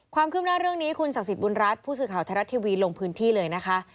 ความคืบหน้าเรื่องนี้คุณศักดิ์สิทธิบุญรัฐผู้สื่อข่าวไทยรัฐทีวีลงพื้นที่เลยนะคะ